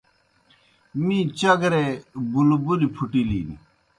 می چگرےبُلبُلیْ پُھٹِلِن۔